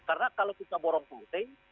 karena kalau kita borong putih